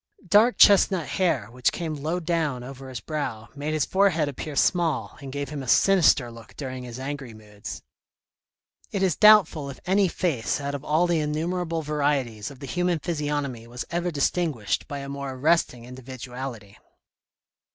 Dark chestnut hair, which came low down over his brow, made his forehead appear small and gave him a sinister look during his angry moods. It is doubtful if any face out of all the innumerable varieties of the human physiognomy was ever distinguished by a more arresting individuality.